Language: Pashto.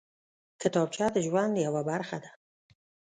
کتابچه د ژوند یوه برخه ده